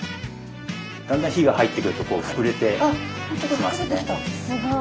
だんだん火が入ってくると膨れてきますね。